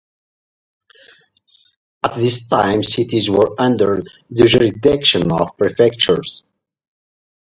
At this time cities were under the jurisdiction of prefectures.